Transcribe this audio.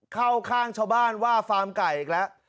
เข้าข้างชาวบ้านว่าฟาร์มไก่อีกแล้ว